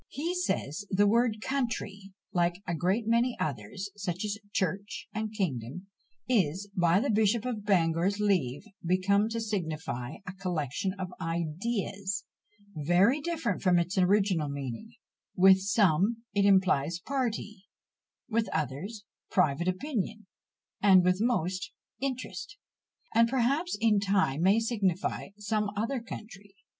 He says, "the word country, like a great many others, such as church and kingdom, is, by the Bishop of Bangor's leave, become to signify a collection of ideas very different from its original meaning; with some it implies party, with others private opinion, and with most interest, and perhaps, in time, may signify some other country.